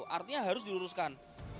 artinya harus diluruskan